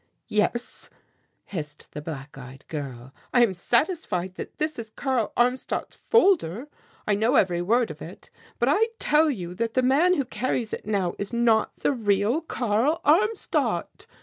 "Yes," hissed the black eyed girl; "I am satisfied that this is Karl Armstadt's folder. I know every word of it, but I tell you that the man who carries it now is not the real Karl Armstadt."